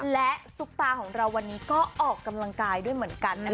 และซุปตาของเราวันนี้ก็ออกกำลังกายด้วยเหมือนกันนะคะ